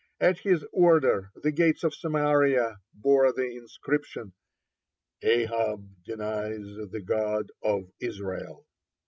At his order the gates of Samaria bore the inscription: "Ahab denies the God of Israel."